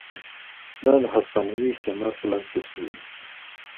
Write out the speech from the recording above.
دا د هسپانوي استعمار په لاس جوړ شوي وو.